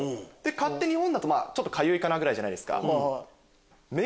蚊って日本だとかゆいかな？ぐらいじゃないですか。